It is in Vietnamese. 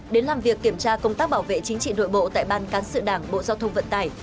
đến làm việc kiểm tra công tác bảo vệ chính trị nội bộ tại ban cán sự đảng bộ giao thông vận tải